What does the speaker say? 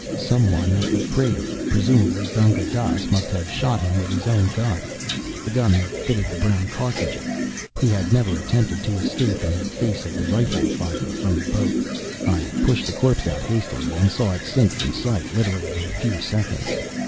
Some one of the crater, presumably Gunga Dass, must have shot him with his own gun the gun that fitted the brown cartridges. He had never attempted to escape in the face of the rifle fire from the boat. I pushed the corpse out hastily, and saw it sink from sight literally in a few seconds.